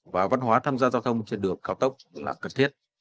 và văn hóa tham gia giao thông trên đường cao tốc là cần thiết